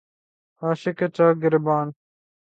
عاشق کے چاک گریباں